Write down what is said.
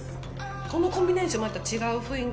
このコンビネーションまた違う雰囲気。